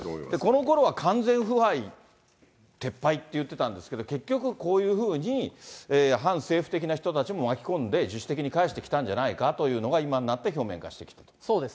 このころは完全腐敗撤廃ということなんですけれども、結局、こういうふうに反政府的な人たちも巻き込んで自主的に帰してきたんじゃないかというのが、今になって表面化してきたと。